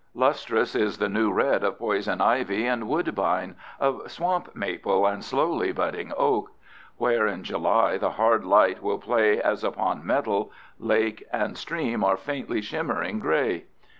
Lustrous is the new red of poison ivy and woodbine, of swamp maple and slowly budding oak. Where in July the hard light will play as upon metal, lake and stream are faintly shimmering gray.